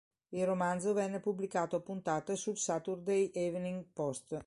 Il romanzo venne pubblicato a puntate sul "Saturday Evening Post".